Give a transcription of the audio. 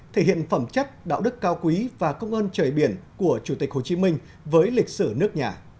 thể hiện phẩm chất đạo đức cao quý và công ơn trời biển của chủ tịch hồ chí minh với lịch sử nước nhà